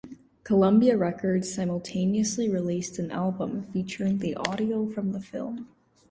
Columbia Records simultaneously released an album featuring the audio from the film.